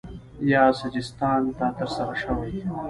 یا سجستان ته ترسره شوی